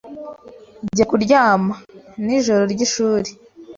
Jya kuryama. Nijoro ryishuri.